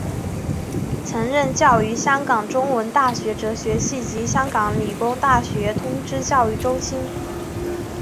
曾任教于香港中文大学哲学系及香港理工大学通识教育中心。